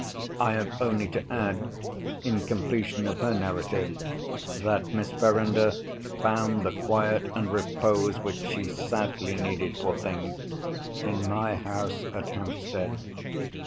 I have only to add—in completion of her narrative—that Miss Verinder found the quiet and repose which she sadly needed, poor thing, in my house at Hampstead.